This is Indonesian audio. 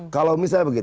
kalau misalnya begini